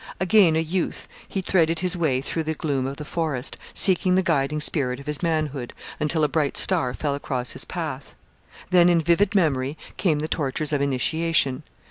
Again a youth, he threaded his way through the gloom of the forest, seeking the guiding spirit of his manhood, until a bright star fell across his path. Then, in vivid memory, came the tortures of initiation.